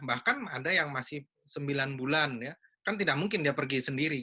bahkan ada yang masih sembilan bulan ya kan tidak mungkin dia pergi sendiri